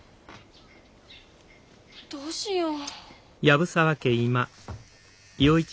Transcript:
どうしよう。